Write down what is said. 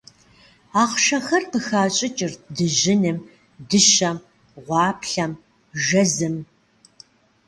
Ахъшэхэр къыхащӏыкӏырт дыжьыным, дыщэм, гъуаплъэм, жэзым.